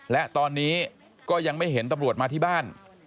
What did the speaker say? และตอนนี้ก็ยังไม่เห็นตำรวจมาที่บ้าน